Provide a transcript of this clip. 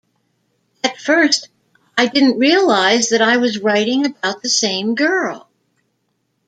At first I didn't realize that I was writing about the same girl.